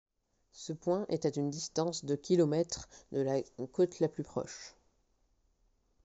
Ce point est à une distance de km de la côte la plus proche.